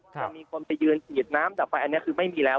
จะมีคนไปยืนฉีดน้ำดับไฟอันนี้คือไม่มีแล้ว